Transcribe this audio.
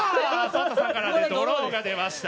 ＳＯＴＡさんからねドローが出ました。